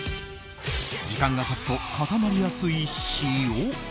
時間が経つと固まりやすい塩。